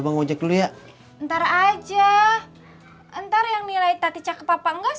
bang ucap dulu ya ntar aja ntar yang nilai tadi cakep apa enggak siapa